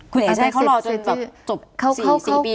คุณเอจ๊ะเขารอจนจบ๔ปีวาลากอดออกแล้วหรอ